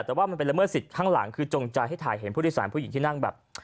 แต่ว่ามันเป็นละเมิดสิทธิ์ข้างหลังคือจงใจให้ถ่ายเห็นผู้โดยสารผู้หญิงที่นั่งแบบ